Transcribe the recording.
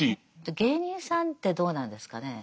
芸人さんってどうなんですかねえ。